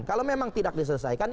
kalau memang tidak diselesaikan